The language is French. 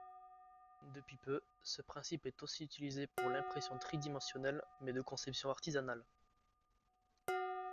Depuis peu, ce principe est aussi utilisé pour l'impression tridimensionnelle mais de conception artisanale.